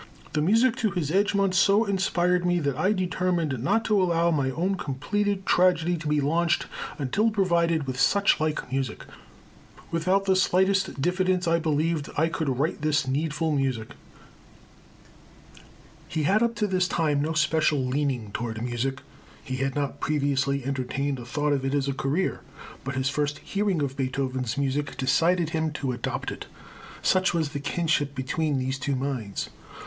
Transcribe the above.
"The music to his Egmont so inspired me that I determined not to allow my own completed tragedy to be launched until provided with such like music. Without the slightest diffidence I believed that I could write this needful music." He had up to this time no special leaning toward music. He had not previously entertained a thought of it as a career, but his first hearing of Beethoven's music decided him to adopt it, such was the kinship between these two minds.